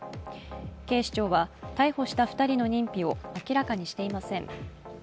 警視庁は、逮捕した２人の認否を明らかにしていません。